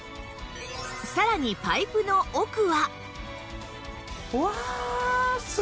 さらにパイプの奥は